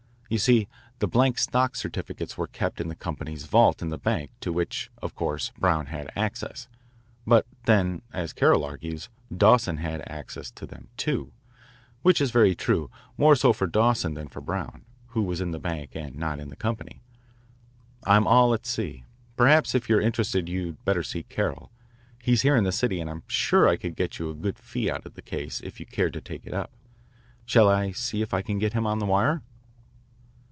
You see the blank stock certificates were kept in the company's vault in the bank to which, of course, Brown had access. But then, as Carroll argues, Dawson had access to them, too, which is very true more so for Dawson than for Brown, who was in the bank and not in the company. I'm all at sea. Perhaps if you're interested you'd better see Carroll. He's here in the city and I'm sure I could get you a good fee out of the case if you cared to take it up. Shall I see if I can get him on the wire?"